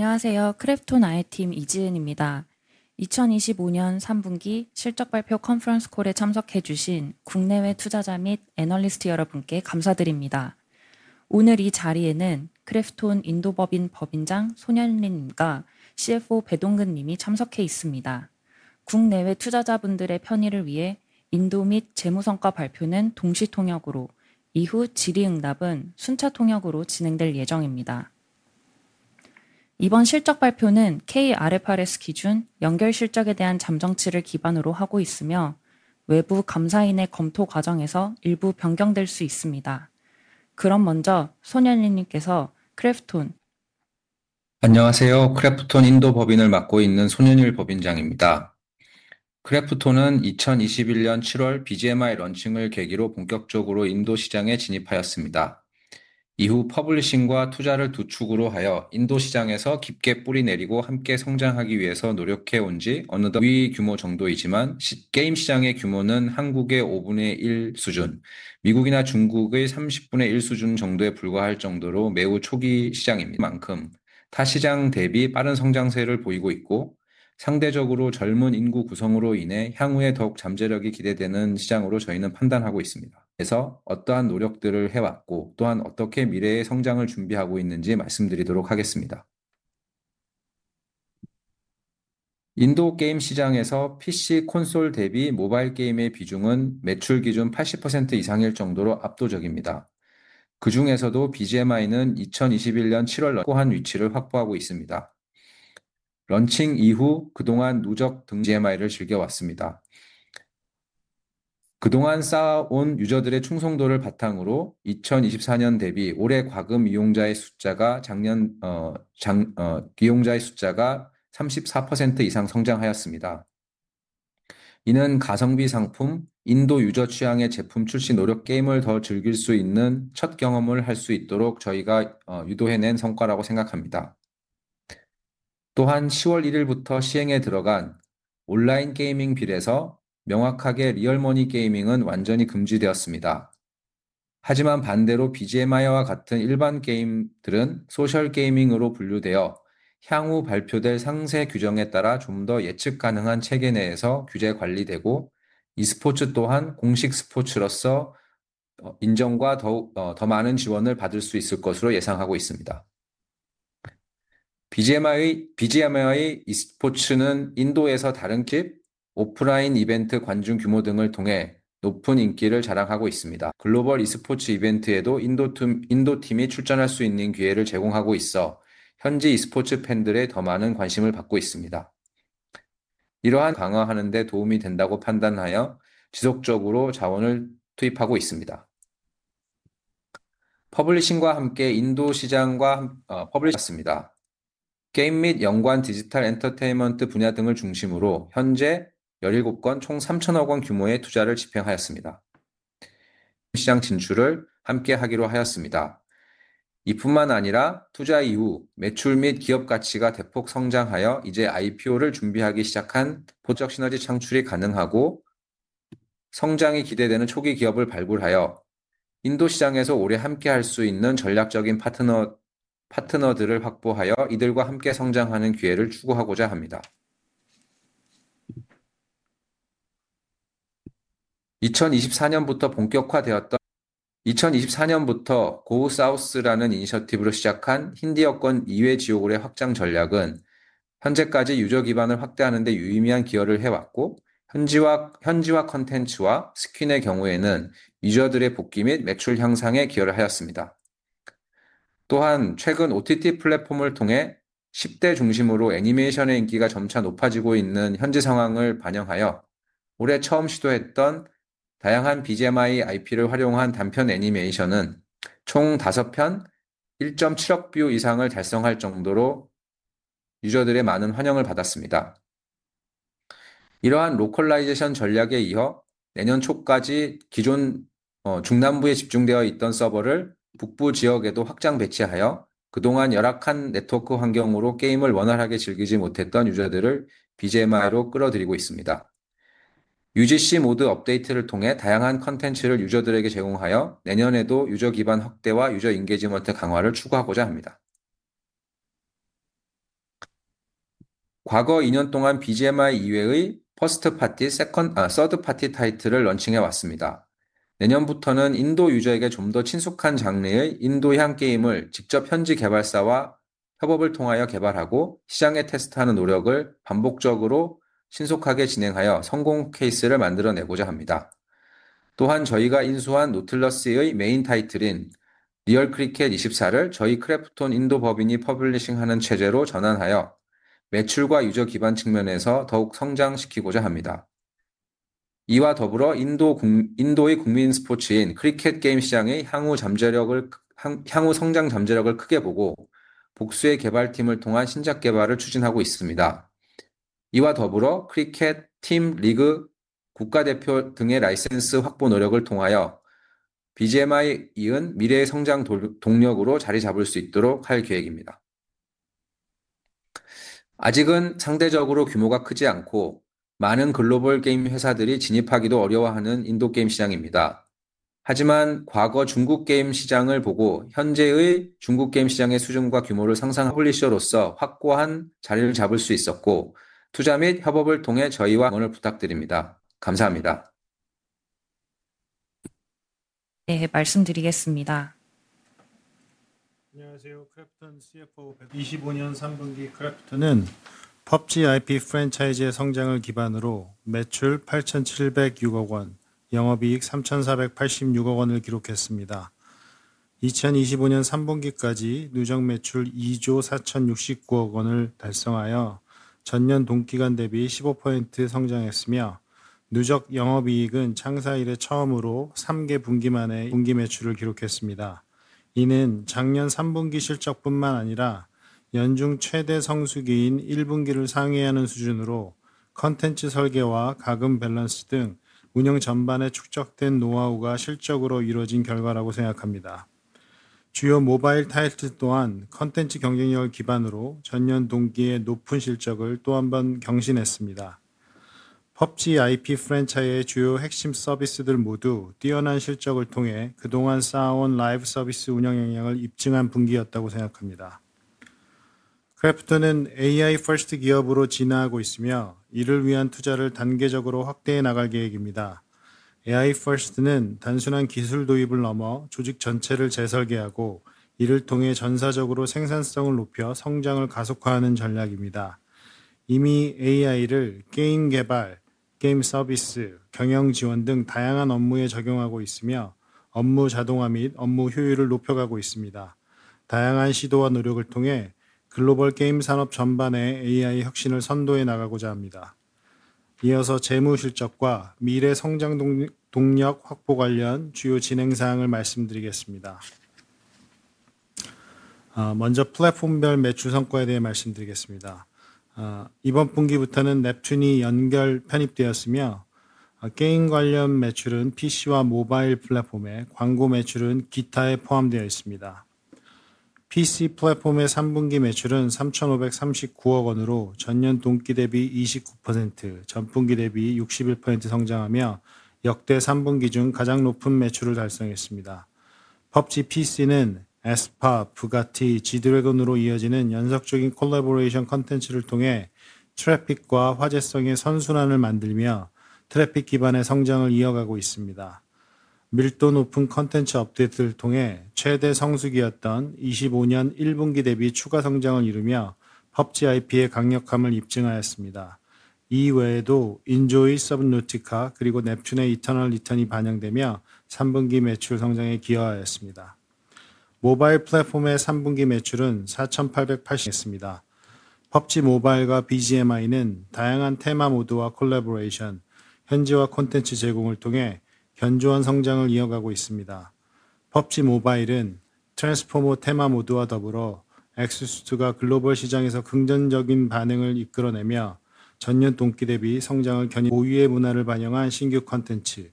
안녕하세요, 크래프톤 IT팀 이지은입니다. 2025년 3분기 실적 발표 컨퍼런스 콜에 참석해 주신 국내외 투자자 및 애널리스트 여러분께 감사드립니다. 오늘 이 자리에는 크래프톤 인도 법인 법인장 손현린 님과 CFO 배동근 님이 참석해 있습니다. 국내외 투자자분들의 편의를 위해 인도 및 재무성과 발표는 동시 통역으로, 이후 질의응답은 순차 통역으로 진행될 예정입니다. 이번 실적 발표는 K-IFRS 기준 연결 실적에 대한 잠정치를 기반으로 하고 있으며, 외부 감사인의 검토 과정에서 일부 변경될 수 있습니다. 그럼 먼저 손현린 님께서 크래프톤... 안녕하세요, 크래프톤 인도 법인을 맡고 있는 손현율 법인장입니다. 크래프톤은 2021년 7월 BGMI 런칭을 계기로 본격적으로 인도 시장에 진입하였습니다. 이후 퍼블리싱과 투자를 두 축으로 하여 인도 시장에서 깊게 뿌리내리고 함께 성장하기 위해서 노력해 온지 어느덧 3년이 지났습니다. 인도는 14억 명의 인구 규모 정도이지만, 게임 시장의 규모는 한국의 5분의 1 수준, 미국이나 중국의 30분의 1 수준 정도에 불과할 정도로 매우 초기 시장인 만큼 타 시장 대비 빠른 성장세를 보이고 있고, 상대적으로 젊은 인구 구성으로 인해 향후에 더욱 잠재력이 기대되는 시장으로 저희는 판단하고 있습니다. 그래서 어떠한 노력들을 해왔고, 또한 어떻게 미래의 성장을 준비하고 있는지 말씀드리도록 하겠습니다. 인도 게임 시장에서 PC 콘솔 대비 모바일 게임의 비중은 매출 기준 80% 이상일 정도로 압도적입니다. 그중에서도 BGMI는 2021년 7월 런칭 이후 확고한 위치를 확보하고 있습니다. 런칭 이후 그동안 누적 1억 8천만 명의 유저들이 BGMI를 즐겨 왔습니다. 그동안 쌓아온 유저들의 충성도를 바탕으로 2023년 대비 올해 과금 이용자의 숫자가 34% 이상 성장하였습니다. 이는 가성비 상품, 인도 유저 취향의 제품 출시 노력, 게임을 더 즐길 수 있는 첫 경험을 할수 있도록 저희가 유도해 낸 성과라고 생각합니다. 또한 10월 1일부터 시행에 들어간 온라인 게이밍 빌에서 명확하게 리얼머니 게이밍은 완전히 금지되었습니다. 하지만 반대로 BGMI와 같은 일반 게임들은 소셜 게이밍으로 분류되어 향후 발표될 상세 규정에 따라 좀더 예측 가능한 체계 내에서 규제 관리되고, e스포츠 또한 공식 스포츠로서 인정과 더 많은 지원을 받을 수 있을 것으로 예상하고 있습니다. BGMI의 e스포츠는 인도에서 다른 게임 대비 온라인 시청자 수, 오프라인 이벤트 관중 규모 등을 통해 높은 인기를 자랑하고 있습니다. 글로벌 e스포츠 이벤트에도 인도 팀이 출전할 수 있는 기회를 제공하고 있어 현지 e스포츠 팬들의 더 많은 관심을 받고 있습니다. 이러한 e스포츠 활동이 BGMI 브랜드를 강화하는 데 도움이 된다고 판단하여 지속적으로 자원을 투입하고 있습니다. 퍼블리싱과 함께 인도 시장 진출의 또 다른 축인 투자 활동도 활발히 진행해 왔습니다. 게임 및 연관 디지털 엔터테인먼트 분야 등을 중심으로 현재 17건, 총 ₹3,000억 원 규모의 투자를 집행하였습니다. 대표적으로 노틀러스 모바일과 함께 인도 크리켓 게임 시장 진출을 함께 하기로 하였습니다. 이뿐만 아니라 투자 이후 매출 및 기업 가치가 대폭 성장하여 이제 IPO를 준비하기 시작한 포트폴리오 기업들도 있습니다. 앞으로도 크래프톤과 시너지 창출이 가능하고 성장이 기대되는 초기 기업을 발굴하여 인도 시장에서 오래 함께할 수 있는 전략적인 파트너들을 확보하여 이들과 함께 성장하는 기회를 추구하고자 합니다. 2024년부터 본격화되었던 고 사우스라는 이니셔티브로 시작한 힌디어권 북부 지역으로의 확장 전략은 현재까지 유저 기반을 확대하는 데 유의미한 기여를 해왔고, 현지화 콘텐츠와 스킨의 경우에는 유저들의 복귀 및 매출 향상에 기여를 하였습니다. 또한 최근 OTT 플랫폼을 통해 10대 중심으로 애니메이션의 인기가 점차 높아지고 있는 현재 상황을 반영하여 올해 처음 시도했던 다양한 BGMI IP를 활용한 단편 애니메이션은 총 5편, 1억 7천만 뷰 이상을 달성할 정도로 유저들의 많은 환영을 받았습니다. 이러한 로컬라이제이션 전략에 이어 내년 초까지 기존 남부와 중남부에 집중되어 있던 서버를 북부 지역에도 확장 배치하여 그동안 열악한 네트워크 환경으로 게임을 원활하게 즐기지 못했던 유저들을 BGMI로 끌어들이고 있습니다. UGC 모드 업데이트를 통해 다양한 콘텐츠를 유저들에게 제공하여 내년에도 유저 기반 확대와 유저 인게이지먼트 강화를 추구하고자 합니다. 과거 2년 동안 BGMI 이외의 퍼스트 파티, 서드 파티 타이틀을 런칭해 왔습니다. 내년부터는 인도 유저에게 좀더 친숙한 장르의 인도향 게임을 직접 현지 개발사와 협업을 통하여 개발하고 시장에 테스트하는 노력을 반복적으로 신속하게 진행하여 성공 케이스를 만들어 내고자 합니다. 또한 저희가 인수한 노틸러스의 메인 타이틀인 리얼 크리켓 24를 저희 크래프톤 인도 법인이 퍼블리싱하는 체제로 전환하여 매출과 유저 기반 측면에서 더욱 성장시키고자 합니다. 이와 더불어 인도의 국민 스포츠인 크리켓 게임 시장의 향후 성장 잠재력을 크게 보고 복수의 개발팀을 통한 신작 개발을 추진하고 있습니다. 이와 더불어 크리켓 팀 리그, 국가대표 등의 라이센스 확보 노력을 통하여 BGMI에 이은 미래의 성장 동력으로 자리 잡을 수 있도록 할 계획입니다. 아직은 상대적으로 규모가 크지 않고 많은 글로벌 게임 회사들이 진입하기도 어려워하는 인도 게임 시장입니다. 하지만 과거 중국 게임 시장을 보고 현재의 중국 게임 시장의 수준과 규모를 상상할 수 있었던 사람이 많지 않았던 것처럼, 저희는 인도 게임 시장에서 선도적인 퍼블리셔로서 확고한 자리를 잡을 수 있었고, 투자 및 협업을 통해 저희와 함께 성장할 파트너들을 확보할 수 있었습니다. 앞으로도 많은 응원을 부탁드립니다. 감사합니다. 네, 말씀드리겠습니다. 안녕하세요, 크래프톤 CFO 배동근입니다. 2025년 3분기 크래프톤은 PUBG IP 프랜차이즈의 성장을 기반으로 매출 8,706억 원, 영업이익 3,486억 원을 기록했습니다. 2025년 3분기까지 누적 매출 2조 4,069억 원을 달성하여 전년 동기간 대비 15% 성장했으며, 누적 영업이익은 창사 이래 처음으로 3개 분기 만에 2분기 매출을 기록했습니다. 이는 작년 3분기 실적뿐만 아니라 연중 최대 성수기인 1분기를 상회하는 수준으로 콘텐츠 설계와 과금 밸런스 등 운영 전반에 축적된 노하우가 실적으로 이루어진 결과라고 생각합니다. 주요 모바일 타이틀 또한 콘텐츠 경쟁력을 기반으로 전년 동기의 높은 실적을 또한번 경신했습니다. PUBG IP 프랜차이즈의 주요 핵심 서비스들 모두 뛰어난 실적을 통해 그동안 쌓아온 라이브 서비스 운영 역량을 입증한 분기였다고 생각합니다. 크래프톤은 AI 퍼스트 기업으로 진화하고 있으며, 이를 위한 투자를 단계적으로 확대해 나갈 계획입니다. AI 퍼스트는 단순한 기술 도입을 넘어 조직 전체를 재설계하고, 이를 통해 전사적으로 생산성을 높여 성장을 가속화하는 전략입니다. 이미 AI를 게임 개발, 게임 서비스, 경영 지원 등 다양한 업무에 적용하고 있으며, 업무 자동화 및 업무 효율을 높여가고 있습니다. 다양한 시도와 노력을 통해 글로벌 게임 산업 전반에 AI 혁신을 선도해 나가고자 합니다. 이어서 재무 실적과 미래 성장 동력 확보 관련 주요 진행 사항을 말씀드리겠습니다. 먼저 플랫폼별 매출 성과에 대해 말씀드리겠습니다. 이번 분기부터는 넵튠이 연결 편입되었으며, 게임 관련 매출은 PC와 모바일 플랫폼에, 광고 매출은 기타에 포함되어 있습니다. PC 플랫폼의 3분기 매출은 3,539억 원으로 전년 동기 대비 29%, 전분기 대비 61% 성장하며 역대 3분기 중 가장 높은 매출을 달성했습니다. PUBG PC는 ASPA, Bugatti, G-Dragon으로 이어지는 연속적인 콜라보레이션 콘텐츠를 통해 트래픽과 화제성의 선순환을 만들며 트래픽 기반의 성장을 이어가고 있습니다. 밀도 높은 콘텐츠 업데이트를 통해 최대 성수기였던 2025년 1분기 대비 추가 성장을 이루며 PUBG IP의 강력함을 입증하였습니다. 이 외에도 인조이, 서브노티카, 그리고 넵튠의 이터널 리턴이 반영되며 3분기 매출 성장에 기여하였습니다. 모바일 플랫폼의 3분기 매출은 4,880억 원을 기록했습니다. PUBG 모바일과 BGMI는 다양한 테마 모드와 콜라보레이션, 현지화 콘텐츠 제공을 통해 견조한 성장을 이어가고 있습니다. PUBG 모바일은 트랜스포머 테마 모드와 더불어 엑소수트가 글로벌 시장에서 긍정적인 반응을 이끌어내며 전년 동기 대비 성장을 견인했습니다. BGMI는 고유의 문화를 반영한 신규 콘텐츠,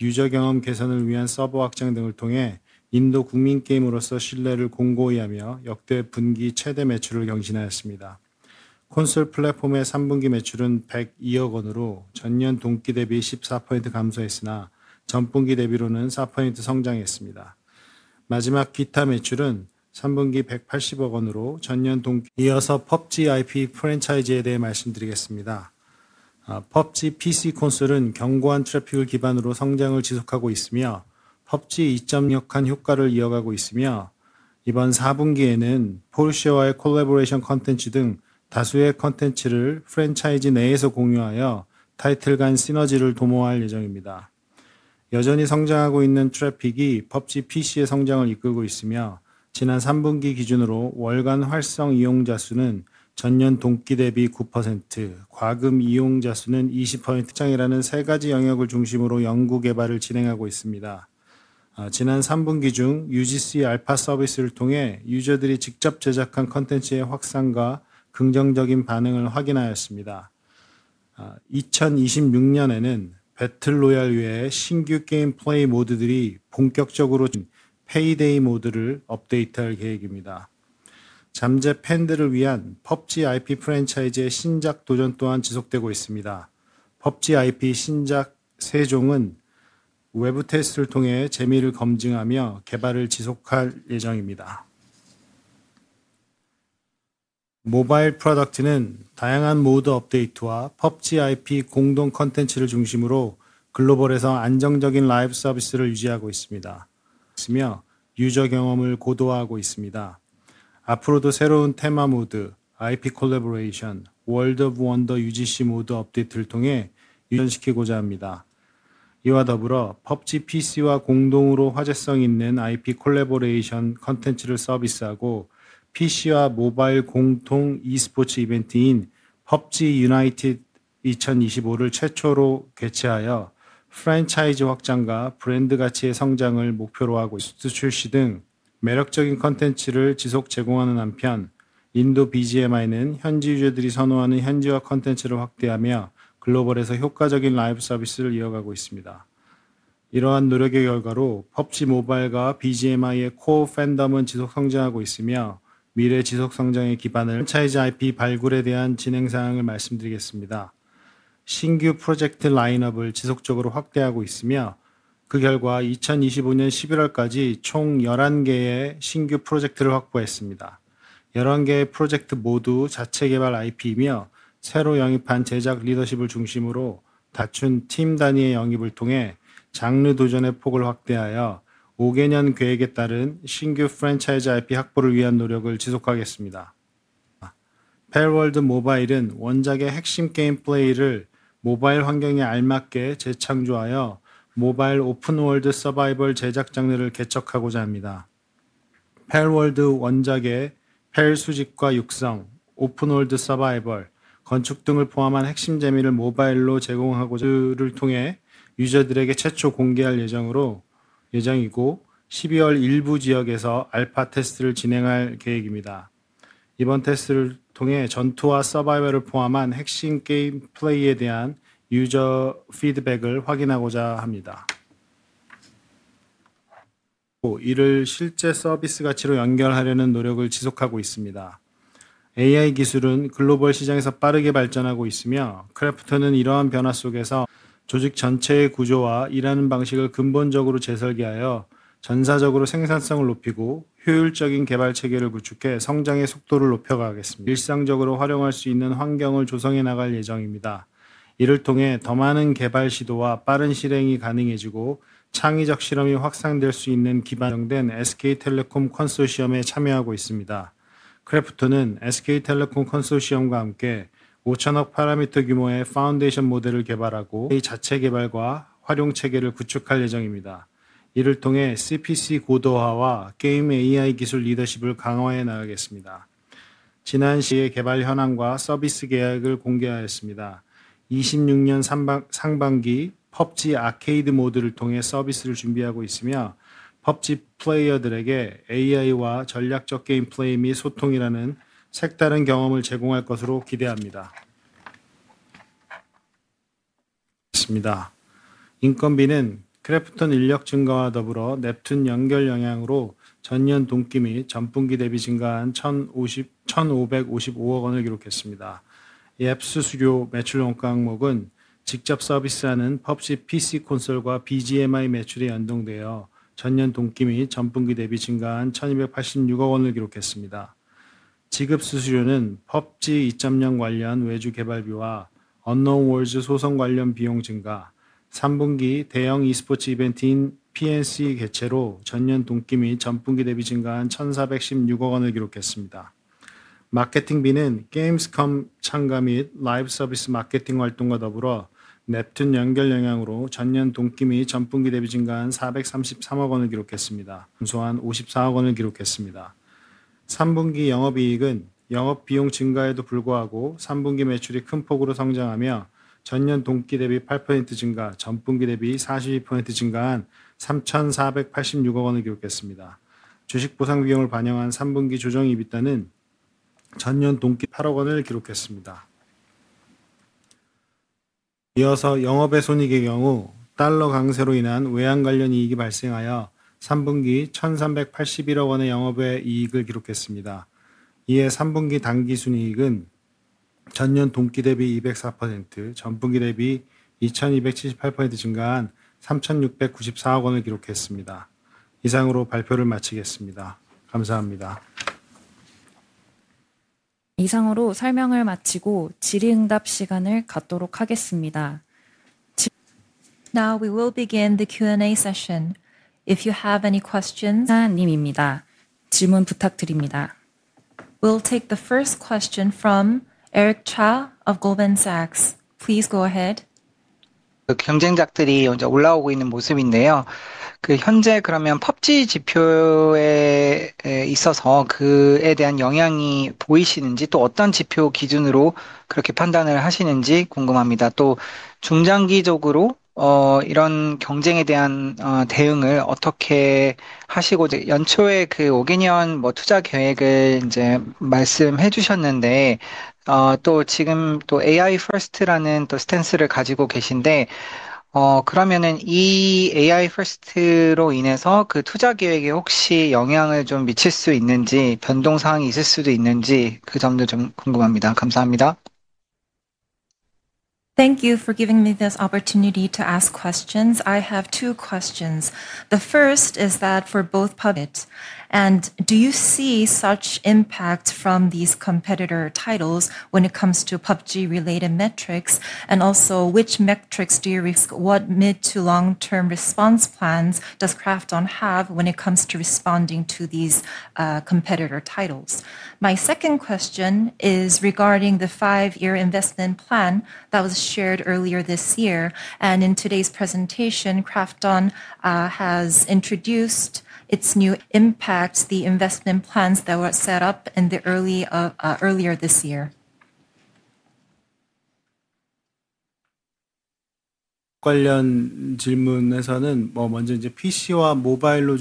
유저 경험 개선을 위한 서버 확장 등을 통해 인도 국민 게임으로서 신뢰를 공고히 하며 역대 분기 최대 매출을 경신하였습니다. 콘솔 플랫폼의 3분기 매출은 102억 원으로 전년 동기 대비 14% 감소했으나 전분기 대비로는 4% 성장했습니다. 마지막 기타 매출은 3분기 180억 원으로 전년 동기 대비 증가했습니다. 이어서 PUBG IP 프랜차이즈에 대해 말씀드리겠습니다. PUBG PC 콘솔은 견고한 트래픽을 기반으로 성장을 지속하고 있으며, PUBG 2.0의 강력한 효과를 이어가고 있습니다. 이번 4분기에는 포르쉐와의 콜라보레이션 콘텐츠 등 다수의 콘텐츠를 프랜차이즈 내에서 공유하여 타이틀 간 시너지를 도모할 예정입니다. 여전히 성장하고 있는 트래픽이 PUBG PC의 성장을 이끌고 있으며, 지난 3분기 기준으로 월간 활성 이용자 수는 전년 동기 대비 9%, 과금 이용자 수는 20% 성장했습니다. UGC, 배틀 로얄, AI라는 세 가지 영역을 중심으로 연구 개발을 진행하고 있습니다. 지난 3분기 중 UGC 알파 서비스를 통해 유저들이 직접 제작한 콘텐츠의 확산과 긍정적인 반응을 확인하였습니다. 2026년에는 배틀 로얄 외에 신규 게임 플레이 모드들이 본격적으로 서비스될 예정이며, 페이데이 모드를 업데이트할 계획입니다. 잠재 팬들을 위한 PUBG IP 프랜차이즈의 신작 도전 또한 지속되고 있습니다. PUBG IP 신작 3종은 외부 테스트를 통해 재미를 검증하며 개발을 지속할 예정입니다. 모바일 프로덕트는 다양한 모드 업데이트와 PUBG IP 공동 콘텐츠를 중심으로 글로벌에서 안정적인 라이브 서비스를 유지하고 있으며 유저 경험을 고도화하고 있습니다. 앞으로도 새로운 테마 모드, IP 콜라보레이션, 월드 오브 원더 UGC 모드 업데이트를 통해 서비스를 강화시키고자 합니다. 이와 더불어 PUBG PC와 공동으로 화제성 있는 IP 콜라보레이션 콘텐츠를 서비스하고 PC와 모바일 공통 e스포츠 이벤트인 PUBG United 2025를 최초로 개최하여 프랜차이즈 확장과 브랜드 가치의 성장을 목표로 하고 있습니다. 신규 콘텐츠 출시 등 매력적인 콘텐츠를 지속 제공하는 한편, 인도 BGMI는 현지 유저들이 선호하는 현지화 콘텐츠를 확대하며 글로벌에서 효과적인 라이브 서비스를 이어가고 있습니다. 이러한 노력의 결과로 PUBG 모바일과 BGMI의 코어 팬덤은 지속 성장하고 있으며 미래 지속 성장의 기반을 마련하고 있습니다. 프랜차이즈 IP 발굴에 대한 진행 사항을 말씀드리겠습니다. 신규 프로젝트 라인업을 지속적으로 확대하고 있으며 그 결과 2025년 11월까지 총 11개의 신규 프로젝트를 확보했습니다. 11개의 프로젝트 모두 자체 개발 IP이며 새로 영입한 제작 리더십을 중심으로 다수 팀 단위의 영입을 통해 장르 도전의 폭을 확대하여 5개년 계획에 따른 신규 프랜차이즈 IP 확보를 위한 노력을 지속하겠습니다. 팰월드 모바일은 원작의 핵심 게임 플레이를 모바일 환경에 알맞게 재창조하여 모바일 오픈 월드 서바이벌 제작 장르를 개척하고자 합니다. 팰월드 원작의 팰 수집과 육성, 오픈 월드 서바이벌, 건축 등을 포함한 핵심 재미를 모바일로 제공하고자 합니다. 이를 통해 유저들에게 최초 공개할 예정이고 12월 일부 지역에서 알파 테스트를 진행할 계획입니다. 이번 테스트를 통해 전투와 서바이벌을 포함한 핵심 게임 플레이에 대한 유저 피드백을 확인하고자 합니다. AI 기술 개발을 실제 서비스 가치로 연결하려는 노력을 지속하고 있습니다. AI 기술은 글로벌 시장에서 빠르게 발전하고 있으며 크래프톤은 이러한 변화 속에서 조직 전체의 구조와 일하는 방식을 근본적으로 재설계하여 전사적으로 생산성을 높이고 효율적인 개발 체계를 구축해 성장의 속도를 높여가겠습니다. 모든 구성원이 AI를 일상적으로 활용할 수 있는 환경을 조성해 나갈 예정입니다. 이를 통해 더 많은 개발 시도와 빠른 실행이 가능해지고 창의적 실험이 확산될 수 있는 기반이 마련될 것입니다. 크래프톤은 SK텔레콤 컨소시엄에 참여하고 있습니다. 크래프톤은 SK텔레콤 컨소시엄과 함께 5천억 파라미터 규모의 파운데이션 모델을 개발하고 자체 개발과 활용 체계를 구축할 예정입니다. 이를 통해 CPC 고도화와 게임 AI 기술 리더십을 강화해 나가겠습니다. 지난 게임스컴에서 PUBG AI 개발 현황과 서비스 계획을 공개하였습니다. 2026년 상반기 PUBG 아케이드 모드를 통해 서비스를 준비하고 있으며 PUBG 플레이어들에게 AI와 전략적 게임 플레이 및 소통이라는 색다른 경험을 제공할 것으로 기대합니다. 인건비는 크래프톤 인력 증가와 더불어 넵튠 연결 영향으로 전년 동기 및 전분기 대비 증가한 1,555억 원을 기록했습니다. 앱 수수료 매출 원가 항목은 직접 서비스하는 PUBG PC 콘솔과 BGMI 매출이 연동되어 전년 동기 및 전분기 대비 증가한 1,286억 원을 기록했습니다. 지급 수수료는 PUBG 2.0 관련 외주 개발비와 언노운 월드 소송 관련 비용 증가, 3분기 대형 e스포츠 이벤트인 PNC 개최로 전년 동기 및 전분기 대비 증가한 1,416억 원을 기록했습니다. 마케팅비는 게임스컴 참가 및 라이브 서비스 마케팅 활동과 더불어 넵튠 연결 영향으로 전년 동기 및 전분기 대비 증가한 433억 원을 기록했습니다. 기타 비용은 전년 동기 및 전분기 대비 감소한 54억 원을 기록했습니다. 3분기 영업이익은 영업 비용 증가에도 불구하고 3분기 매출이 큰 폭으로 성장하며 전년 동기 대비 8% 증가, 전분기 대비 42% 증가한 3,486억 원을 기록했습니다. 주식 보상 비용을 반영한 3분기 조정 이익은 전년 동기 대비 8% 증가한 3,408억 원을 기록했습니다. 이어서 영업외 손익의 경우 달러 강세로 인한 외환 관련 이익이 발생하여 3분기 1,381억 원의 영업외 이익을 기록했습니다. 이에 3분기 당기 순이익은 전년 동기 대비 204%, 전분기 대비 2,278% 증가한 3,694억 원을 기록했습니다. 이상으로 발표를 마치겠습니다. 감사합니다. 이상으로 설명을 마치고 질의응답 시간을 갖도록 하겠습니다. Now we will begin the Q&A session. If you have any questions, 하나님입니다. 질문 부탁드립니다. We'll take the first question from Eric Cha of Goldman Sachs. Please go ahead. 경쟁작들이 올라오고 있는 모습인데요. 현재 그러면 PUBG 지표에 있어서 그에 대한 영향이 보이시는지, 또 어떤 지표 기준으로 그렇게 판단을 하시는지 궁금합니다. 또 중장기적으로 이런 경쟁에 대한 대응을 어떻게 하시고 연초에 5개년 투자 계획을 말씀해 주셨는데, 또 지금 AI 퍼스트라는 스탠스를 가지고 계신데요. 그러면 이 AI 퍼스트로 인해서 투자 계획에 혹시 영향을 좀 미칠 수 있는지, 변동 사항이 있을 수도 있는지 그 점도 궁금합니다. 감사합니다. Thank you for giving me this opportunity to ask questions. I have two questions. The first is that for both IT and do you see such impact from these competitor titles when it comes to PUBG-related metrics? And also, which metrics do you track? What mid- to long-term response plans does KRAFTON have when it comes to responding to these competitor titles? My second question is regarding the five-year investment plan that was shared earlier this year. And in today's presentation, KRAFTON has introduced its new impact. How does this impact the investment plans that were set up earlier this year? 관련 질문에서는 먼저 PC와 모바일로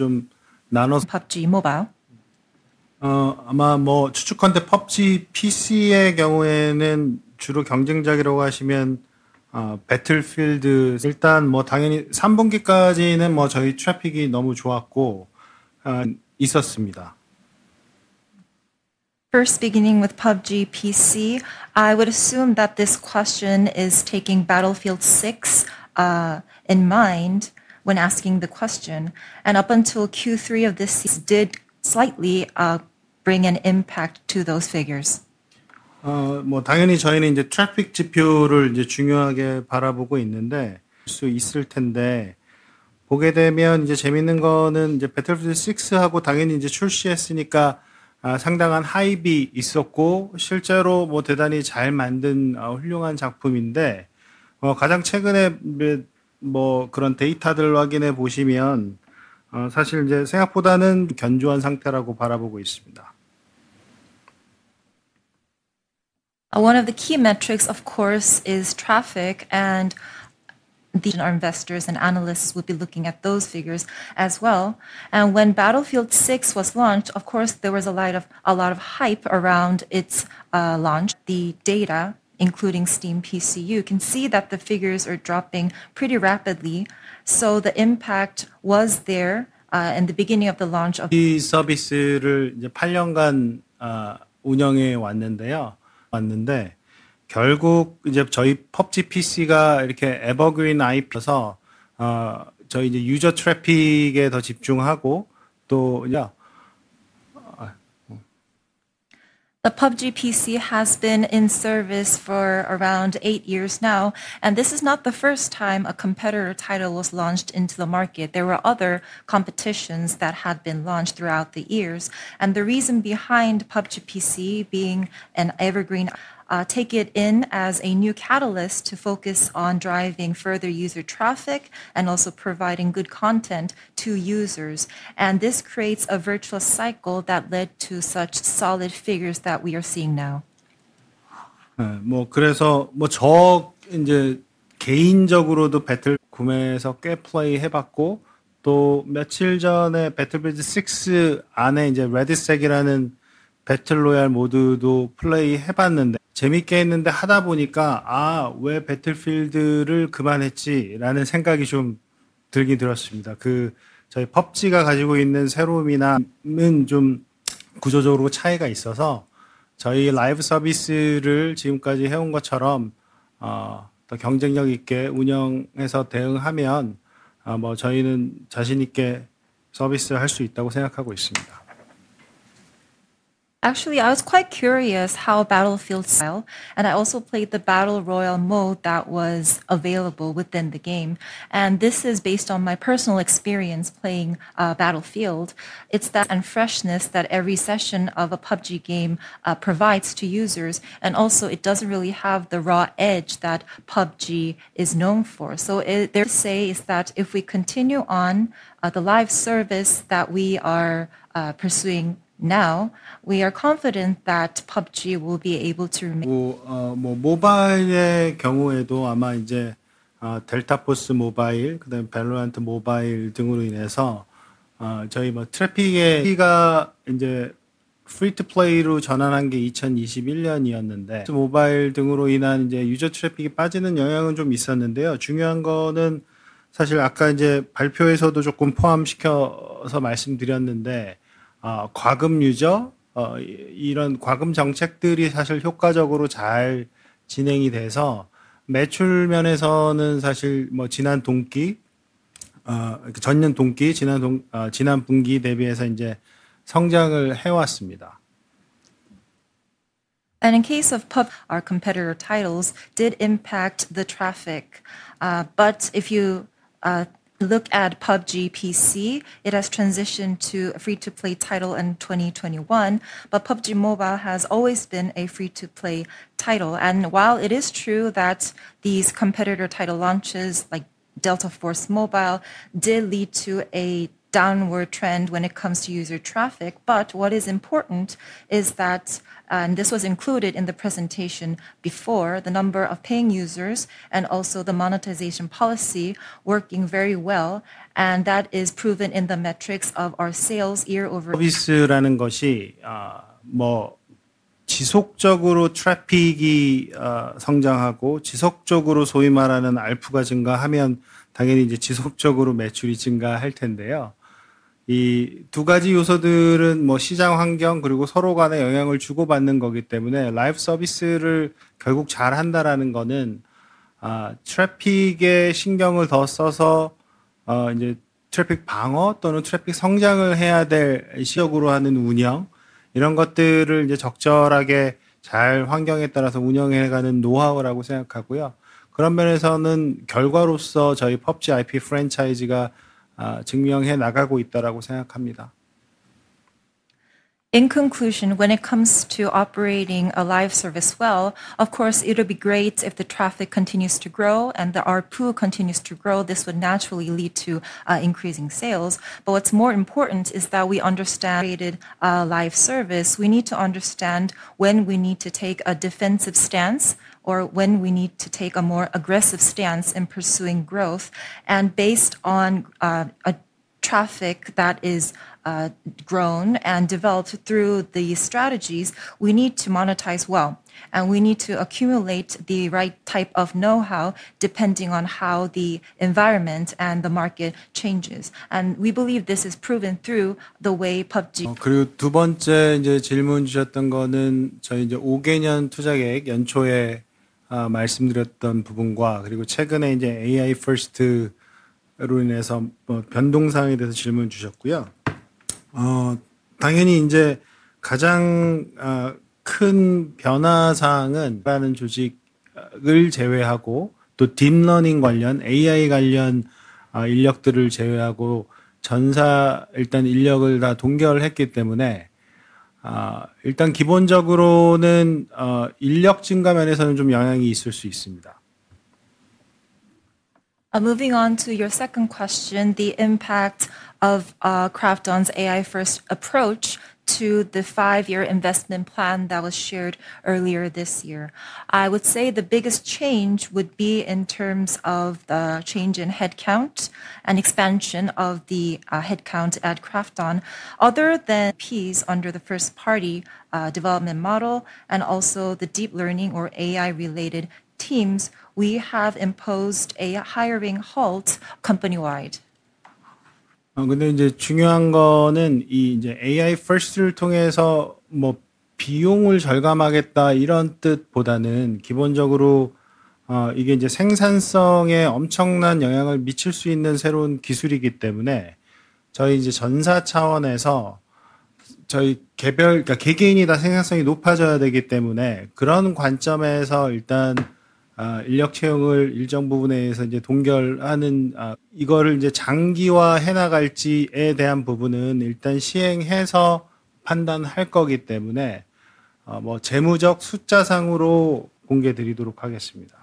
나눠서. PUBG 모바일? 아마 추측컨대 PUBG PC의 경우에는 주로 경쟁작이라고 하시면 배틀필드. 일단 당연히 3분기까지는 저희 트래픽이 너무 좋았고 있었습니다. First, beginning with PUBG PC, I would assume that this question is taking Battlefield 6 in mind when asking the question. And up until Q3 of this year, it did slightly bring an impact to those figures. 당연히 저희는 트래픽 지표를 중요하게 바라보고 있는데, 보게 되면 재밌는 거는 배틀필드 6하고 당연히 출시했으니까 상당한 하이프가 있었고 실제로 대단히 잘 만든 훌륭한 작품인데, 가장 최근에 그런 데이터들 확인해 보시면 사실 생각보다는 견조한 상태라고 바라보고 있습니다. One of the key metrics, of course, is traffic. The investors and analysts will be looking at those figures as well. When Battlefield 6 was launched, of course, there was a lot of hype around its launch. The data, including Steam PCU, can see that the figures are dropping pretty rapidly. So the impact was there in the beginning of the launch. 이 서비스를 8년간 운영해 왔는데요. 결국 저희 PUBG PC가 에버그린 IP여서 저희 유저 트래픽에 더 집중하고 또. PUBG PC has been in service for around eight years now. This is not the first time a competitor title was launched into the market. There were other competitions that have been launched throughout the years. The reason behind PUBG PC being an evergreen is to take it in as a new catalyst to focus on driving further user traffic and also providing good content to users. This creates a virtuous cycle that led to such solid figures that we are seeing now. 그래서 저 개인적으로도 구매해서 꽤 플레이해 봤고 또 며칠 전에 배틀필드 6 안에 레딧 색이라는 배틀 로얄 모드도 플레이해 봤는데 재밌게 했는데 하다 보니까 아왜 배틀필드를 그만했지라는 생각이 좀 들긴 들었습니다. 저희 PUBG가 가지고 있는 새로움이나 좀 구조적으로 차이가 있어서 저희 라이브 서비스를 지금까지 해온 것처럼 더 경쟁력 있게 운영해서 대응하면 저희는 자신 있게 서비스할 수 있다고 생각하고 있습니다. Actually, I was quite curious how Battlefield. I also played the battle royale mode that was available within the game. This is based on my personal experience playing Battlefield. It's. And freshness that every session of a PUBG game provides to users. Also, it doesn't really have the raw edge that PUBG is known for. So there to say is that if we continue on the live service that we are pursuing now, we are confident that PUBG will be able to. 모바일의 경우에도 아마 델타포스 모바일, 그다음에 밸런트 모바일 등으로 인해서 저희 트래픽이... 이제 프리 투 플레이로 전환한 게 2021년이었는데, 모바일 등으로 인한 유저 트래픽이 빠지는 영향은 좀 있었는데요. 중요한 거는 사실 아까 발표에서도 조금 포함시켜서 말씀드렸는데, 과금 유저... 이런 과금 정책들이 사실 효과적으로 잘 진행이 돼서 매출 면에서는 사실 지난 동기, 전년 동기, 지난 분기 대비해서 이제 성장을 해왔습니다. In case of our competitor titles did impact the traffic. But if you look at PUBG PC, it has transitioned to a free-to-play title in 2021. But PUBG Mobile has always been a free-to-play title. While it is true that these competitor title launches like DeltaForce Mobile did lead to a downward trend when it comes to user traffic, what is important is that this was included in the presentation before, the number of paying users and also the monetization policy working very well. That is proven in the metrics of our sales year over year. 서비스라는 것이 지속적으로 트래픽이 성장하고 지속적으로 소위 말하는 ARPPU가 증가하면 당연히 지속적으로 매출이 증가할 텐데요. 이두 가지 요소들은 시장 환경 그리고 서로 간의 영향을 주고받는 거기 때문에 라이브 서비스를 결국 잘한다라는 거는 트래픽에 신경을 더 써서 트래픽 방어 또는 트래픽 성장을 해야 될 시기적으로 하는 운영 이런 것들을 적절하게 잘 환경에 따라서 운영해 나가는 노하우라고 생각하고요. 그런 면에서는 결과로서 저희 PUBG IP 프랜차이즈가 증명해 나가고 있다고 생각합니다. In conclusion, when it comes to operating a live service well, of course, it would be great if the traffic continues to grow and our pool continues to grow. This would naturally lead to increasing sales. But what's more important is that we understand. Created a live service, we need to understand when we need to take a defensive stance or when we need to take a more aggressive stance in pursuing growth. Based on traffic that is grown and developed through the strategies, we need to monetize well. We need to accumulate the right type of know-how depending on how the environment and the market changes. We believe this is proven through the way. 그리고 두 번째 질문 주셨던 거는 저희 5개년 투자 계획 연초에 말씀드렸던 부분과 그리고 최근에 AI 퍼스트로 인해서 변동 사항에 대해서 질문 주셨고요. 당연히 가장 큰 변화 사항은 라는 조직을 제외하고 또 딥러닝 관련 AI 관련 인력들을 제외하고 전사 일단 인력을 다 동결했기 때문에 일단 기본적으로는 인력 증가 면에서는 좀 영향이 있을 수 있습니다. Moving on to your second question, the impact of KRAFTON's AI first approach to the five-year investment plan that was shared earlier this year. I would say the biggest change would be in terms of the change in headcount and expansion of the headcount at KRAFTON. Other than IPs under the first-party development model and also the deep learning or AI-related teams, we have imposed a hiring halt company-wide. 근데 중요한 거는 AI 퍼스트를 통해서 비용을 절감하겠다 이런 뜻보다는 기본적으로 이게 생산성에 엄청난 영향을 미칠 수 있는 새로운 기술이기 때문에 저희 전사 차원에서 저희 개개인이 다 생산성이 높아져야 되기 때문에 그런 관점에서 일단 인력 채용을 일정 부분에 의해서 동결하는 이거를 장기화해 나갈지에 대한 부분은 일단 시행해서 판단할 거기 때문에 재무적 숫자상으로 공개드리도록 하겠습니다.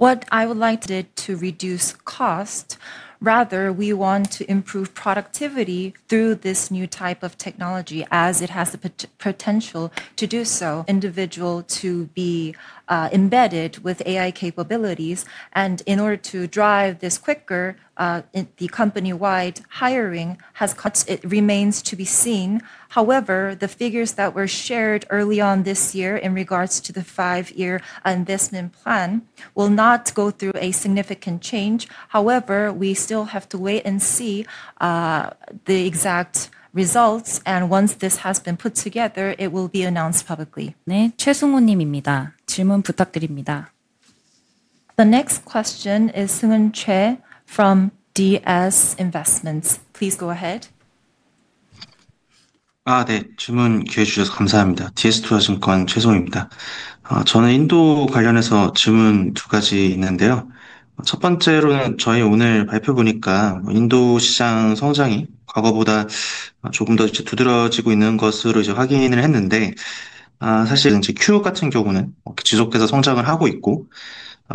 What I would like to do is reduce cost. Rather, we want to improve productivity through this new type of technology as it has the potential to do so. Individual to be embedded with AI capabilities. And in order to drive this quicker, the company-wide hiring has. It remains to be seen. However, the figures that were shared early on this year in regards to the five-year investment plan will not go through a significant change. However, we still have to wait and see the exact results. Once this has been put together, it will be announced publicly. 네, 최승호 님입니다. 질문 부탁드립니다. The next question is Seunghoon Choi from DS Investments. Please go ahead. 네, 질문 기회 주셔서 감사합니다. DS 투자증권 최승호입니다. 저는 인도 관련해서 질문 두 가지 있는데요. 첫 번째로는 저희 오늘 발표 보니까 인도 시장 성장이 과거보다 조금 더 두드러지고 있는 것으로 확인을 했는데, 사실 큐 같은 경우는 지속해서 성장을 하고 있고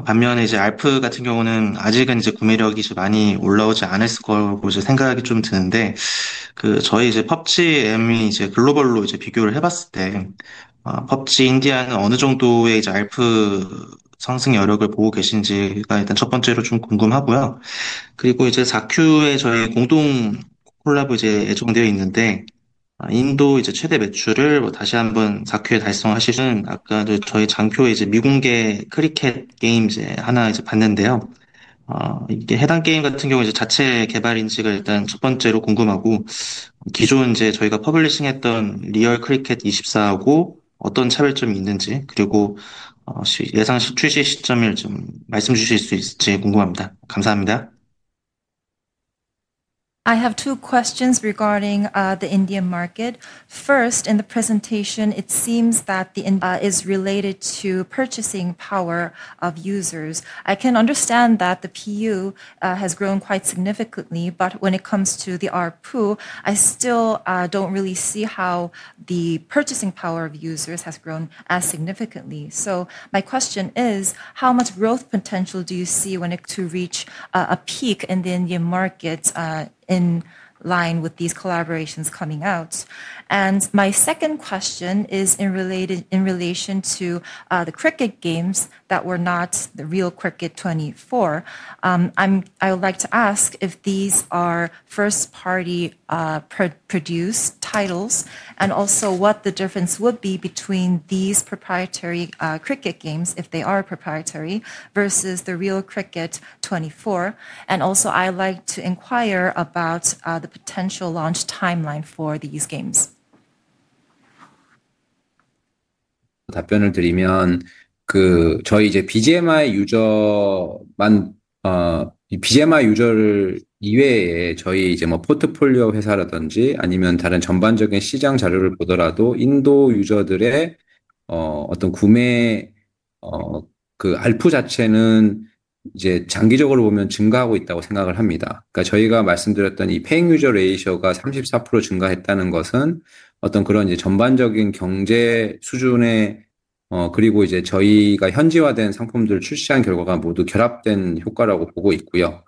반면에 ARPU 같은 경우는 아직은 구매력이 많이 올라오지 않았을 거라고 생각이 좀 드는데, 저희 퍼블리싱이 글로벌로 비교를 해봤을 때 퍼블리싱 인디아는 어느 정도의 ARPU 상승 여력을 보고 계신지가 일단 첫 번째로 좀 궁금하고요. 그리고 자쿠에 저희 공동 콜라보 예정되어 있는데 인도 최대 매출을 다시 한번 자쿠에 달성하실, 아까 저희 장표에 미공개 크리켓 게임 하나 봤는데요. 이게 해당 게임 같은 경우 자체 개발인지를 일단 첫 번째로 궁금하고, 기존 저희가 퍼블리싱했던 리얼 크리켓 24하고 어떤 차별점이 있는지 그리고 예상 출시 시점을 말씀해 주실 수 있을지 궁금합니다. 감사합니다. I have two questions regarding the Indian market. First, in the presentation, it seems that the ARPU is related to purchasing power of users. I can understand that the PU has grown quite significantly, but when it comes to the RPU, I still don't really see how the purchasing power of users has grown as significantly. So my question is, how much growth potential do you see when it comes to reach a peak in the Indian market in line with these collaborations coming out? My second question is in relation to the cricket games that were not the Real Cricket 24. I would like to ask if these are first-party produced titles and also what the difference would be between these proprietary cricket games if they are proprietary versus the Real Cricket 24. Also, I'd like to inquire about the potential launch timeline for these games. 답변을 드리면, 저희 BGMI 유저만이 아니라 BGMI 유저를 제외한 저희 포트폴리오 회사라든지 아니면 다른 전반적인 시장 자료를 보더라도 인도 유저들의 구매 ARPPU 자체는 장기적으로 보면 증가하고 있다고 생각을 합니다. 그러니까 저희가 말씀드렸던 이 페이 유저 레이셔가 34% 증가했다는 것은 그런 전반적인 경제 수준의 향상과 저희가 현지화된 상품들을 출시한 결과가 모두 결합된 효과라고 보고 있고요.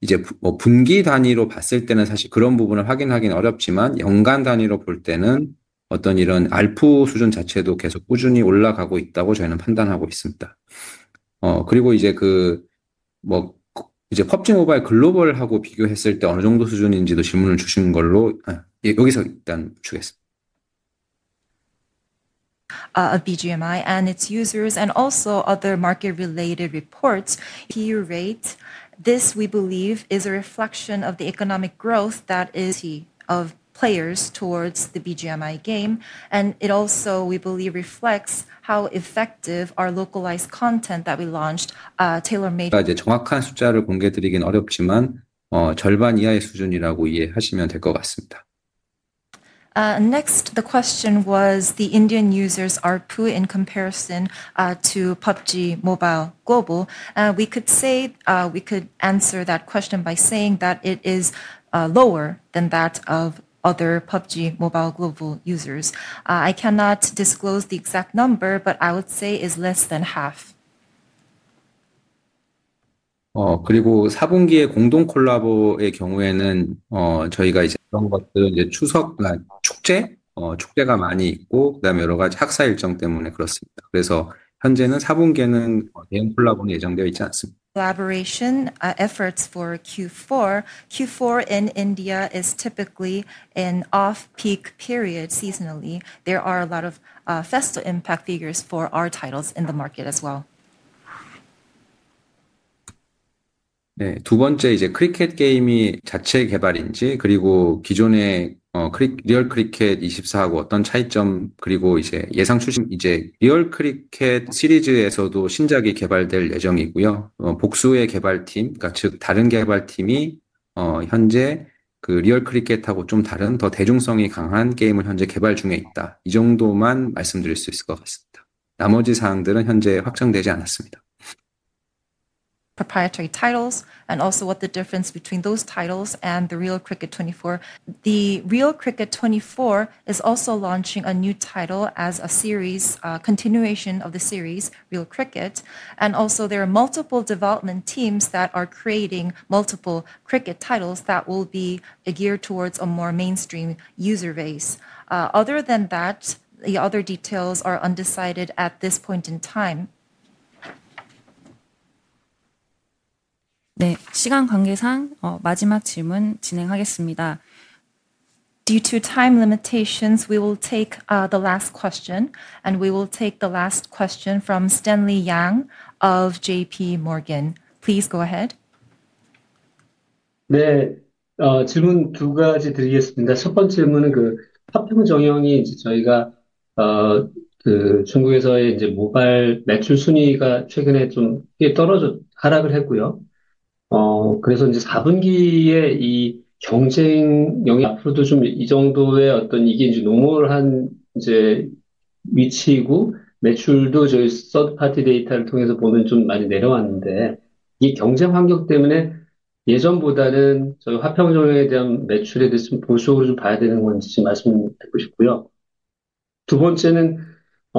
이제 분기 단위로 봤을 때는 사실 그런 부분을 확인하기는 어렵지만 연간 단위로 볼 때는 이런 ARPPU 수준 자체도 계속 꾸준히 올라가고 있다고 저희는 판단하고 있습니다. 그리고 이제 PUBG 모바일 글로벌하고 비교했을 때 어느 정도 수준인지도 질문을 주신 걸로 여기서 일단 마치겠습니다. BGMI and its users and also other market-related reports. Peer rate. This, we believe, is a reflection of the economic growth of players towards the BGMI game. It also, we believe, reflects how effective our localized content that we launched tailor. 정확한 숫자를 공개드리기는 어렵지만 절반 이하의 수준이라고 이해하시면 될것 같습니다. Next, the question was the Indian users are put in comparison to PUBG Mobile Global. We could answer that question by saying that it is lower than that of other PUBG Mobile Global users. I cannot disclose the exact number, but I would say it is less than half. 그리고 4분기의 공동 콜라보의 경우에는 저희가 그런 것들은 추석 축제가 많이 있고 그다음에 여러 가지 학사 일정 때문에 그렇습니다. 그래서 현재는 4분기에는 대형 콜라보는 예정되어 있지 않습니다. Collaboration efforts for Q4. Q4 in India is typically an off-peak period seasonally. There are a lot of festive impact figures for our titles in the market as well. 네, 두 번째 이제 크리켓 게임이 자체 개발인지 그리고 기존의 리얼 크리켓 24하고 어떤 차이점 그리고 이제 예상 출시. 이제 리얼 크리켓 시리즈에서도 신작이 개발될 예정이고요. 복수의 개발팀, 즉 다른 개발팀이 현재 리얼 크리켓하고 좀 다른 더 대중성이 강한 게임을 현재 개발 중에 있다 이 정도만 말씀드릴 수 있을 것 같습니다. 나머지 사항들은 현재 확정되지 않았습니다. Proprietary titles and also what the difference between those titles and the real cricket 24. The real cricket 24 is also launching a new title as a series, continuation of the series real cricket. And also, there are multiple development teams that are creating multiple cricket titles that will be geared towards a more mainstream user base. Other than that, the other details are undecided at this point in time. 네, 시간 관계상 마지막 질문 진행하겠습니다. Due to time limitations, we will take the last question and we will take the last question from Stanley Yang of JP Morgan. Please go ahead. 네, 질문 두 가지 드리겠습니다. 첫 번째 질문은 파평 정영이 저희가 중국에서의 모바일 매출 순위가 최근에 꽤 하락을 했고요. 그래서 이제 4분기에 이 경쟁력이 앞으로도 이 정도의 노멀한 위치이고 매출도 저희 서드파티 데이터를 통해서 보면 많이 내려왔는데 이 경쟁 환경 때문에 예전보다는 저희 화평 정영에 대한 매출에 대해서 보수적으로 봐야 되는 건지 말씀드리고 싶고요. 두 번째는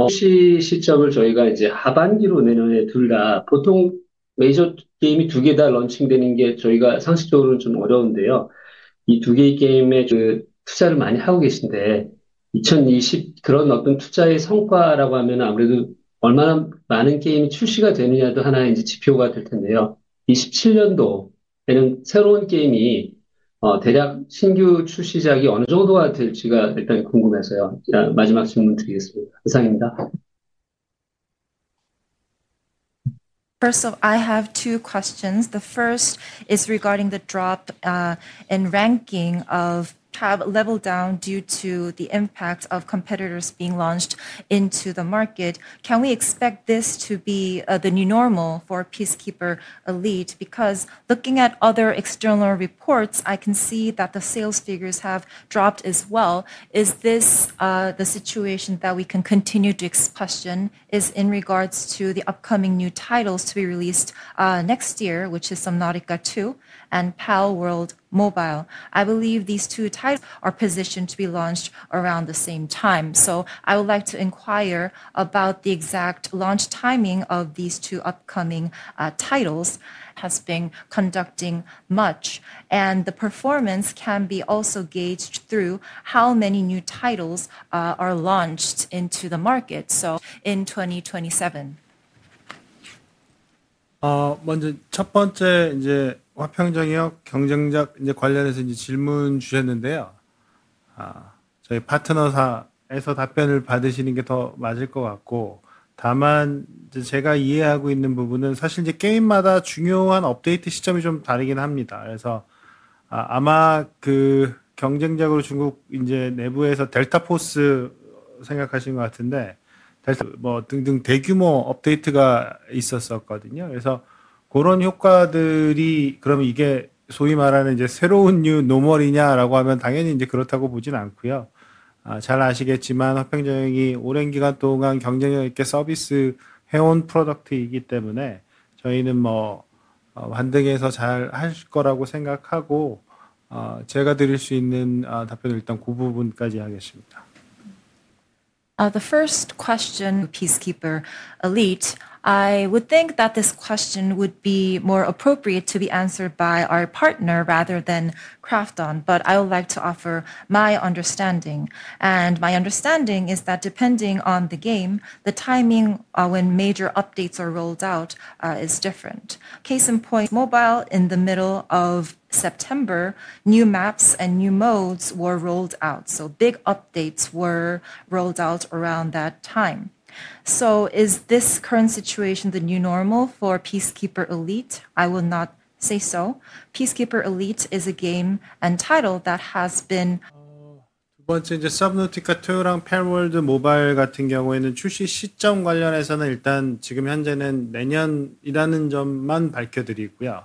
출시 시점을 저희가 이제 하반기로 내년에 둘다 보통 메이저 게임이 두개다 런칭되는 게 저희가 상식적으로는 어려운데요. 이두 개의 게임에 투자를 많이 하고 계신데 그런 투자의 성과라고 하면 아무래도 얼마나 많은 게임이 출시가 되느냐도 하나의 지표가 될 텐데요. 2027년도에는 새로운 게임이 대략 신규 출시작이 어느 정도가 될지가 일단 궁금해서요. 마지막 질문 드리겠습니다. 감사합니다. First off, I have two questions. The first is regarding the drop in ranking that has leveled down due to the impact of competitors being launched into the market. Can we expect this to be the new normal for Peacekeeper Elite? Because looking at other external reports, I can see that the sales figures have dropped as well. Is this the situation that we can continue to expect? The second question is in regards to the upcoming new titles to be released next year, which is Somnatica 2 and Palworld Mobile. I believe these two titles are positioned to be launched around the same time. So I would like to inquire about the exact launch timing of these two upcoming titles. The company has been conducting much research and development, and the performance can be also gauged through how many new titles are launched into the market. So in 2027, what can we expect? 먼저 첫 번째 화평정영 경쟁작 관련해서 질문 주셨는데요. 저희 파트너사에서 답변을 받으시는 게더 맞을 것 같고, 다만 제가 이해하고 있는 부분은 사실 게임마다 중요한 업데이트 시점이 좀 다르긴 합니다. 그래서 아마 그 경쟁작으로 중국 내부에서 델타포스를 생각하시는 것 같은데, 델타포스 등등 대규모 업데이트가 있었었거든요. 그래서 그런 효과들이 그러면 이게 소위 말하는 새로운 뉴 노멀이냐라고 하면 당연히 그렇다고 보진 않고요. 잘 아시겠지만 화평정영이 오랜 기간 동안 경쟁력 있게 서비스해온 프로덕트이기 때문에 저희는 반등해서 잘할 거라고 생각하고, 제가 드릴 수 있는 답변을 일단 그 부분까지 하겠습니다. The first question. Peacekeeper Elite. I would think that this question would be more appropriate to be answered by our partner rather than KRAFTON. But I would like to offer my understanding. My understanding is that depending on the game, the timing when major updates are rolled out is different. Case in point, Mobile in the middle of September. New maps and new modes were rolled out. Big updates were rolled out around that time. Is this current situation the new normal for Peacekeeper Elite? I will not say so. Peacekeeper Elite is a game and title that has been. 두 번째, 이제 Somnatica 2랑 Palworld Mobile 같은 경우에는 출시 시점 관련해서는 일단 지금 현재는 내년이라는 점만 밝혀드리고요.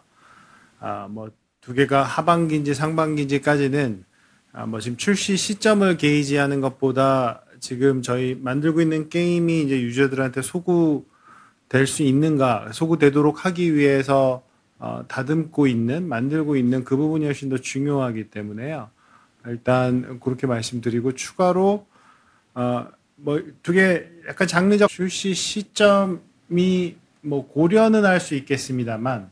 두 개가 하반기인지 상반기인지까지는 지금 출시 시점을 게이지하는 것보다 지금 저희가 만들고 있는 게임이 이제 유저들한테 소구될 수 있는가, 소구되도록 하기 위해서 다듬고 있는, 만들고 있는 그 부분이 훨씬 더 중요하기 때문에요. 일단 그렇게 말씀드리고, 추가로 두개 약간 장르적 출시 시점이 고려는 할수 있겠습니다만,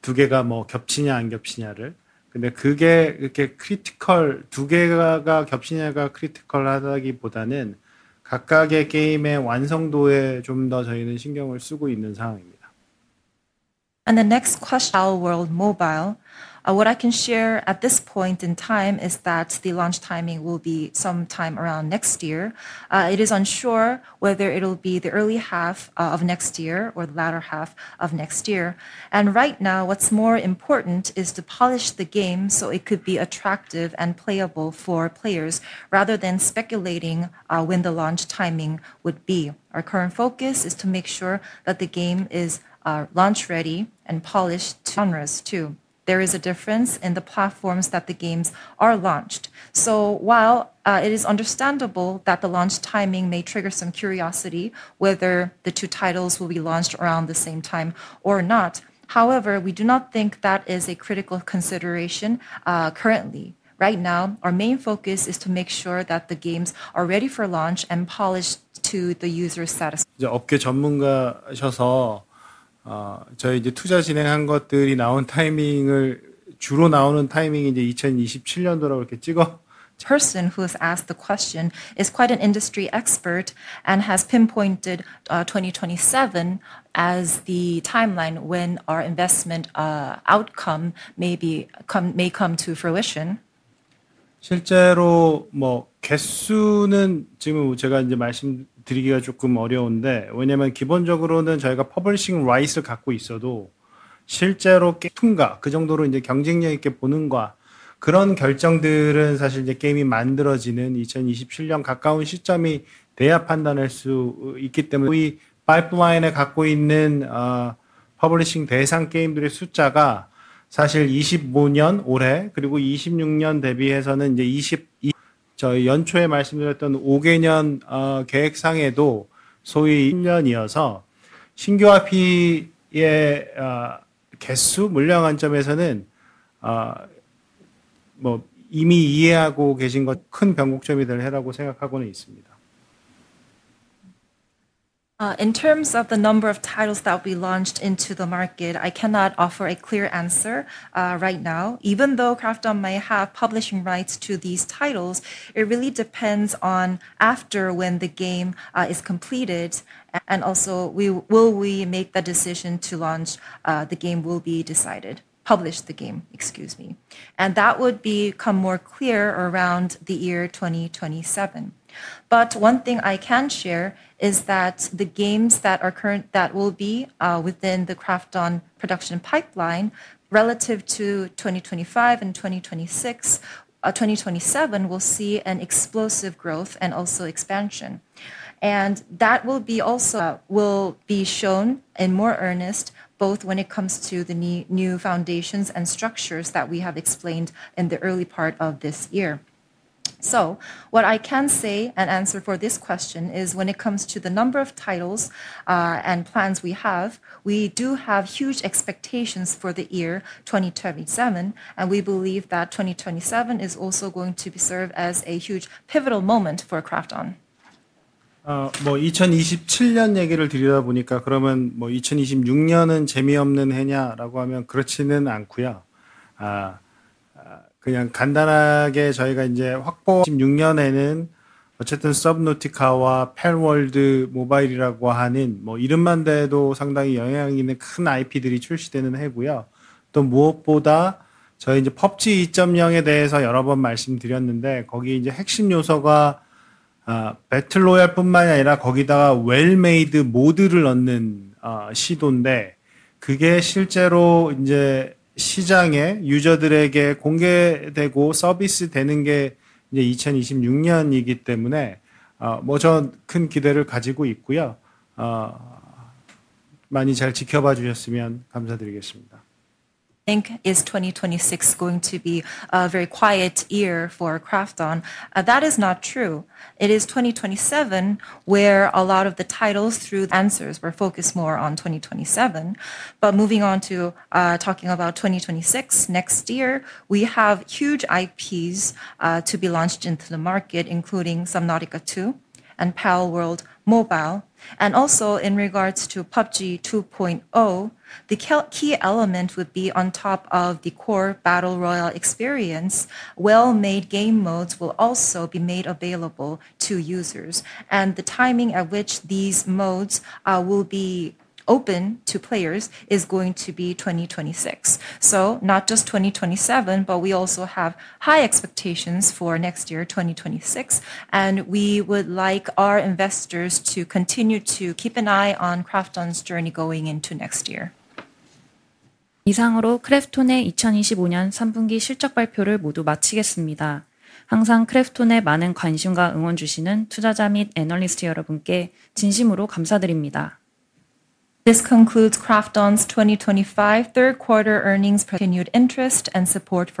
두 개가 뭐 겹치냐 안 겹치냐를 근데 그게 이렇게 크리티컬, 두 개가 겹치냐가 크리티컬하다기보다는 각각의 게임의 완성도에 좀더 저희는 신경을 쓰고 있는 상황입니다. The next question. Palworld Mobile. What I can share at this point in time is that the launch timing will be sometime around next year. It is unsure whether it will be the early half of next year or the latter half of next year. Right now what's more important is to polish the game so it could be attractive and playable for players rather than speculating when the launch timing would be. Our current focus is to make sure that the game is launch ready and polished. Genres too. There is a difference in the platforms that the games are launched. So while it is understandable that the launch timing may trigger some curiosity whether the two titles will be launched around the same time or not, however, we do not think that is a critical consideration currently. Right now our main focus is to make sure that the games are ready for launch and polished to the user's satisfaction. 업계 전문가이셔서. 저희가 이제 투자 진행한 것들이 나오는 타이밍을 주로 나오는 타이밍이 이제 2027년도라고 이렇게 찍어요. The person who has asked the question is quite an industry expert and has pinpointed 2027 as the timeline when our investment outcome may come to fruition. 실제로 개수는 지금 제가 말씀드리기가 조금 어려운데, 왜냐하면 기본적으로는 저희가 퍼블리싱 라이선스를 갖고 있어도 실제로 통과할 정도로 경쟁력 있게 보는 그런 결정들은 사실 게임이 만들어지는 2027년 가까운 시점이 돼야 판단할 수 있기 때문입니다. 소위 파이프라인에 갖고 있는 퍼블리싱 대상 게임들의 숫자가 사실 2025년 올해 그리고 2026년 대비해서는 저희 연초에 말씀드렸던 5개년 계획상에도 소위 해당 연도여서 신규 IP의 개수 물량 관점에서는 이미 이해하고 계신 큰 변곡점이 될 해라고 생각하고 있습니다. In terms of the number of titles that will be launched into the market, I cannot offer a clear answer right now. Even though KRAFTON may have publishing rights to these titles, it really depends on when the game is completed and also when we make the decision to launch the game, to publish the game. That would become more clear around the year 2027. But one thing I can share is that the games that are currently within the KRAFTON production pipeline relative to 2025 and 2026, 2027 will see an explosive growth and expansion. That will be shown in more earnest both when it comes to the new foundations and structures that we have explained in the early part of this year. So what I can say and answer for this question is when it comes to the number of titles and plans we have, we do have huge expectations for the year 2027 and we believe that 2027 is also going to serve as a huge pivotal moment for KRAFTON. 뭐 2027년 얘기를 드리다 보니까 그러면 뭐 2026년은 재미없는 해냐라고 하면 그렇지는 않고요. 그냥 간단하게 저희가 이제 확보. 2026년에는 어쨌든 Somnatica와 Palworld Mobile이라고 하는 이름만 돼도 상당히 영향이 있는 큰 IP들이 출시되는 해고요. 또 무엇보다 저희 이제 PUBG 2.0에 대해서 여러 번 말씀드렸는데 거기 이제 핵심 요소가 배틀로얄뿐만 아니라 거기다가 웰메이드 모드를 넣는 시도인데 그게 실제로 이제 시장에 유저들에게 공개되고 서비스되는 게 이제 2026년이기 때문에. 뭐 저는 큰 기대를 가지고 있고요. 많이 잘 지켜봐 주셨으면 감사드리겠습니다. I think 2026 is going to be a very quiet year for KRAFTON. That is not true. It is 2027 where a lot of the titles come through. Actually, we're focused more on 2027. But moving on to talking about 2026, next year, we have huge IPs to be launched into the market, including Inzoi and Palworld Mobile. And also in regards to PUBG 2.0, the key element would be on top of the core battle royale experience, well-made game modes will also be made available to users. And the timing at which these modes will be open to players is going to be 2026. So not just 2027, but we also have high expectations for next year, 2026. And we would like our investors to continue to keep an eye on KRAFTON's journey going into next year. 이상으로 크래프톤의 2025년 3분기 실적 발표를 모두 마치겠습니다. 항상 크래프톤에 많은 관심과 응원 주시는 투자자 및 애널리스트 여러분께 진심으로 감사드립니다. This concludes KRAFTON's 2025 third quarter earnings. We sincerely thank all investors and analysts for your continued interest and support for KRAFTON.